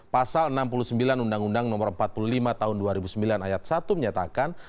pasal enam puluh sembilan undang undang no empat puluh lima tahun dua ribu sembilan ayat satu menyatakan